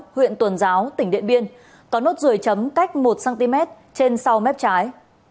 huyện tuần giáo tỉnh điện biên có nốt ruồi chấm cách một cm trên sau mép trái